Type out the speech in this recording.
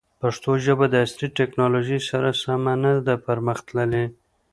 پښتو ژبه د عصري تکنالوژۍ سره سمه نه ده پرمختللې.